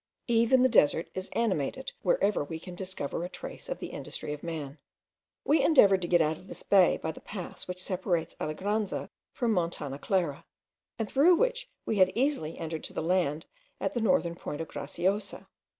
Even the desert is animated wherever we can discover a trace of the industry of man. We endeavoured to get out of this bay by the pass which separates Alegranza from Montana Clara, and through which we had easily entered to land at the northern point of Graciosa.